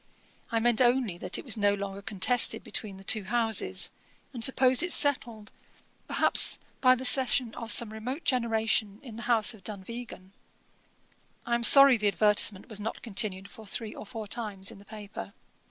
I meant only that it was no longer contested between the two houses, and supposed it settled, perhaps, by the cession of some remote generation, in the house of Dunvegan. I am sorry the advertisement was not continued for three or four times in the paper.